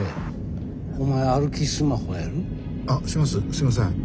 すいません。